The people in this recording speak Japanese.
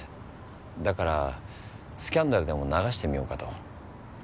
だからスキャンダルでも流してみようかと。